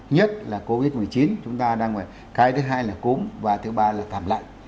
nhất là covid một mươi chín chúng ta đang cái thứ hai là cúm và thứ ba là thảm lạnh